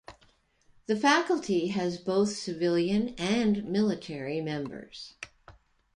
The faculty has both civilian and military members.